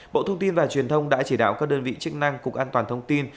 bộ thông tin và truyền thông đã chỉ đạo các đơn vị chức năng cục an toàn thông tin